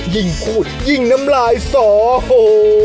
ยิ่งพูดยิ่งน้ำลายสอโห